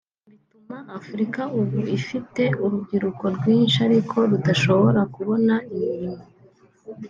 bituma Africa ubu ifite urubyiruko rwinshi ariko rudashobora kubona imirimo